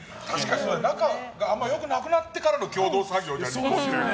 仲があんまり良くなくなってからの共同作業じゃん、離婚って。